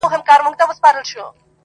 • اوس خو راغلی یمه پیره ستنېدلای نه سم -